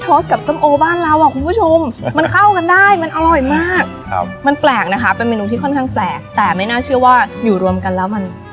จากบ้านพักตากอากาศของบรรพบุรุษริมแม่น้ำนครชัยศรีที่เป็นความทรงจำในวัยเด็กกับของสะสม